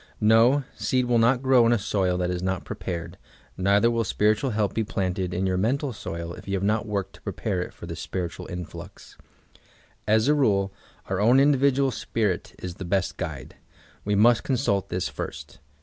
No, seed will not grow in a soil that is not prepared, neither will spiritual help be planted in your mental soil if you have not worked to ppepare it for this spiritual influx. As a rule, our own individual spirit is the best guide. We must consult this first.